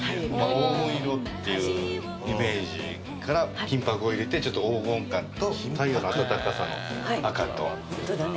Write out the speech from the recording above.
黄金色っていうイメージから金箔を入れてちょっと黄金感と太陽の温かさの赤とホントだね